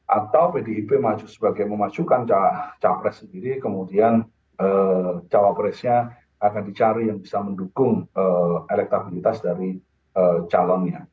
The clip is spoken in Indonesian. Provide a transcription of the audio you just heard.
atau pdip sebagai memajukan capres sendiri kemudian cawapresnya akan dicari yang bisa mendukung elektabilitas dari calonnya